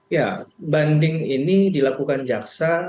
ya banding ini dilakukan jaksa